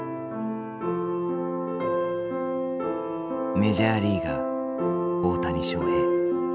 メジャーリーガー大谷翔平。